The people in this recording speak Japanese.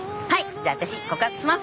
じゃあ私告白します。